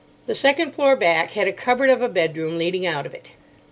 The second floor back had a cupboard of a bedroom leading out of it.